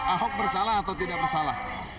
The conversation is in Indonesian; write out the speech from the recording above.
ahok bersalah atau tidak bersalah